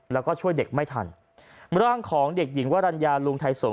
แล้วก็ช่วยเด็กไม่ทันร่างของเด็กหญิงวรรณญาลุงไทยสง